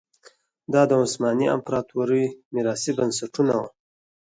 دا د عثماني امپراتورۍ میراثي بنسټونه وو.